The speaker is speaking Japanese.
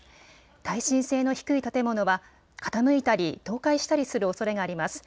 耐震性の低い建物は傾いたり倒壊したりするおそれがあります。